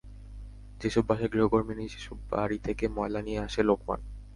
যেসব বাসায় গৃহকর্মী নেই, সেসব বাড়ি থেকে ময়লা নিয়ে আসে লোকমান।